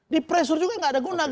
di pressure juga nggak ada guna